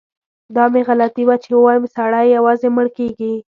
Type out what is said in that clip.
دا مې غلطي وه چي ووایم سړی یوازې مړ کیږي.